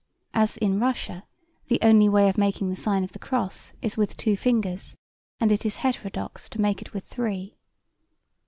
(As in Russia the only way of making the sign of the cross is with two fingers and it is heterodox to make it with three.